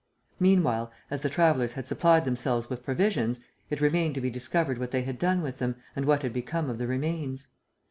Meanwhile, as the travellers had supplied themselves with provisions, it remained to be discovered what they had done with them and what had become of the remains.